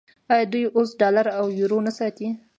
آیا دوی اوس ډالر او یورو نه ساتي؟